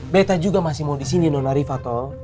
bete juga masih mau di sini nona riva toh